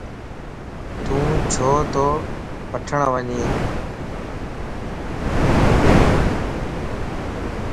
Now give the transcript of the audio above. تون ڇو تو وٺڻ وڃين؟